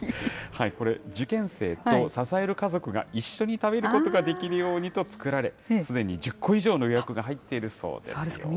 これ、受験生と支える家族が一緒に食べることができるようにと作られ、すでに１０個以上の予約が入っているそうです。